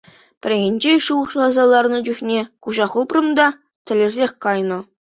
Пӗррехинче шухӑшласа ларнӑ чухне куҫа хупрӑм та — тӗлӗрсех кайнӑ.